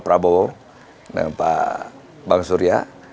terima kasih pak bang surya